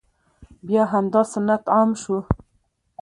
بیا همدا سنت عام شو،